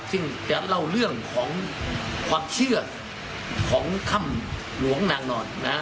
ซึ่งจะเล่าเรื่องของความเชื่อของถ้ำหลวงนางนอนนะฮะ